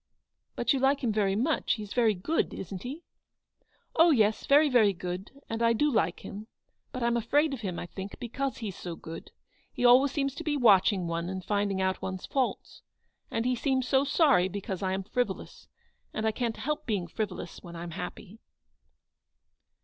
" But you like him very much. He's very good, isn't he?" " Oh, yes, very, very good, and I do like him. But Fm afraid of him, I think, because he's so HAZLEW00D. 257 good. He always seems to be watching one and finding out one's faults. And he seems so sorry because I'm frivolous, and I can't help being frivolous when I'm happy."